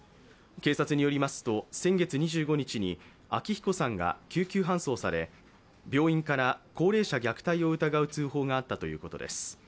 警察によりますと、先月２５日に昭彦さんが救急搬送され、病院から高齢者虐待を疑う通報があったということです。